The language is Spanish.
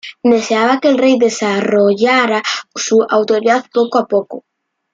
Deseaba que el rey desarrollara su autoridad poco a poco.